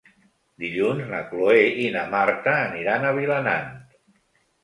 Dilluns na Cloè i na Marta aniran a Vilanant.